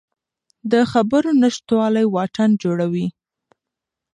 د خبرو نشتوالی واټن جوړوي